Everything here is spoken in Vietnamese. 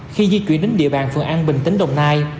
khi di chuyển đến địa bàn phường an bình tỉnh đồng nai